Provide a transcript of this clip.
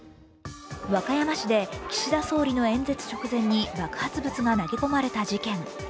和歌山市で岸田総理の演説直前に爆発物が投げ込まれた事件。